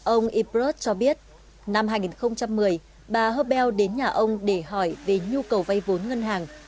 ông iput cho biết năm hai nghìn một mươi bà hơbell đến nhà ông để hỏi về nhu cầu vay vốn ngân hàng